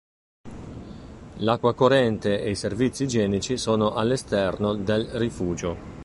L'acqua corrente e i servizi igienici sono all'esterno del rifugio.